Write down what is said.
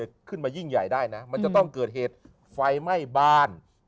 ขึ้นมายิ่งใหญ่ได้นะมันจะต้องเกิดเหตุไฟไหม้บ้าน